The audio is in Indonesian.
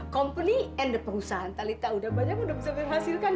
company and perusahaan talitha udah banyak udah bisa berhasilkan